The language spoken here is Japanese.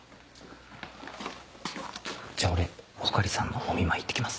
じゃあ俺穂刈さんのお見舞い行ってきます。